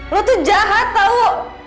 lo tuh jahat tau